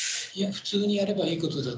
普通にやればいいことはあ。